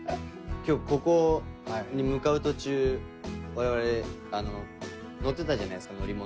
今日ここに向かう途中我々乗ってたじゃないですか？